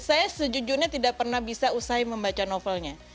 saya sejujurnya tidak pernah bisa usai membaca novelnya